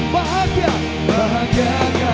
bahagia kan kata